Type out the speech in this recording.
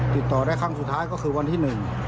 ติดต่อได้ครั้งสุดท้ายก็คือวันที่หนึ่ง